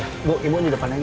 ya bu ibu di depan aja